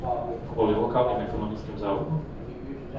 Kvôli lokálnym ekonomickým záujmom?